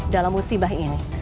dalam musibah ini